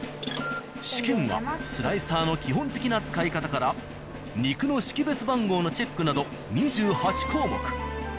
試験はスライサーの基本的な使い方から肉の識別番号のチェックなど２８項目。